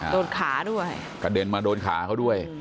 โดนขาด้วยกระเด็นมาโดนขาเขาด้วย